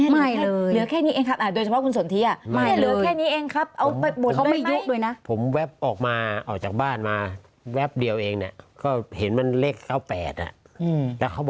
ไม่เลยเหลือแค่นี้เองครับ